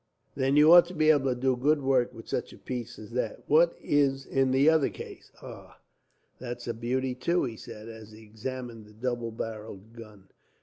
"Then you ought to be able to do good work, with such a piece as that. What is in the other case? "Ah! That's a beauty, too," he said, as he examined the double barrelled gun.